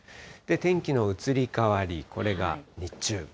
天気の移り変わり、これが日中。